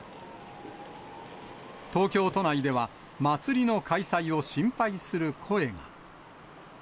東京都内では、祭りの開催を心配する声が。